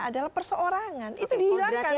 adalah perseorangan itu dihilangkan